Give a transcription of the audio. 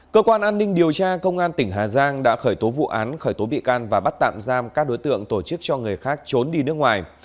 cơ quan an ninh điều tra công an tỉnh hà giang đã khởi tố vụ án khởi tố bị can và bắt tạm giam các đối tượng tổ chức cho người khác trốn đi nước ngoài